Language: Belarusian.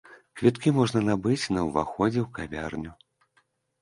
Квіткі можна набыць на ўваходзе ў кавярню.